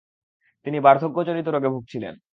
তিনি বার্ধক্যজনিত রোগে ভুগছিলেন।